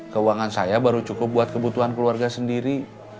keuangan saya baru cukup buat kebutuhan keluarga sendiri